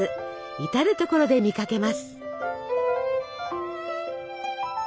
至る所で見かけます。